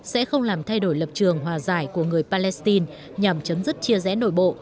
sẽ không làm thay đổi lập trường hòa giải của người palestine nhằm chấm dứt chia rẽ nội bộ